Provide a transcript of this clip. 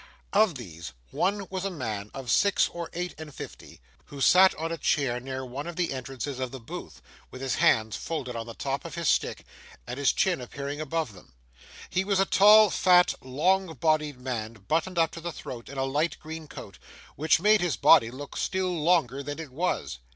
Of these, one was a man of six or eight and fifty, who sat on a chair near one of the entrances of the booth, with his hands folded on the top of his stick, and his chin appearing above them. He was a tall, fat, long bodied man, buttoned up to the throat in a light green coat, which made his body look still longer than it was.